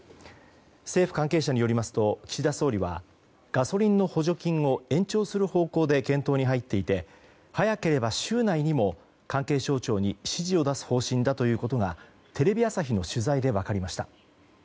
政府関係者によりますと岸田総理はガソリンの補助金を延長する方向で検討に入っていて早ければ週内にも関係省庁に指示を出す方針だということがテレビ朝日の取材で分かりました。